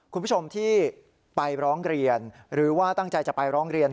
คุณผู้ชมที่ไปร้องเรียนหรือว่าตั้งใจจะไปร้องเรียน